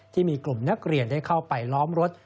ที่มีกลุ่มนักเรียนได้เข้าไปล้อมรถ